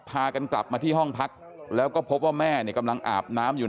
พากันกลับมาที่ห้องพักแล้วก็พบว่าแม่เนี่ยกำลังอาบน้ำอยู่